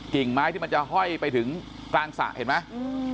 กิ่งไม้ที่มันจะห้อยไปถึงกลางสระเห็นไหม